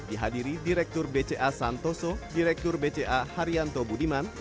dihadiri direktur bca santoso direktur bca haryanto budiman